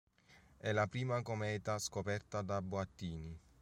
È la prima cometa scoperta da Boattini.